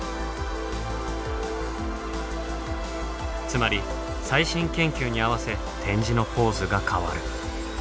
つまり最新研究に合わせ展示のポーズが変わる。